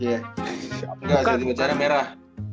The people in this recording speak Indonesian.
engga satria wacana merah